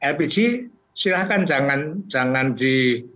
lpg silahkan jangan di